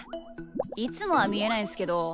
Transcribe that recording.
いつもはみえないんすけど。